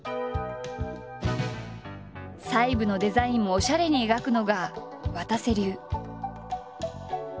細部のデザインもおしゃれに描くのがわたせ流。